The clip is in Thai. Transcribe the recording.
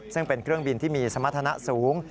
ซึ่งเป็นเครื่องบินที่มีสมรรถนะสูง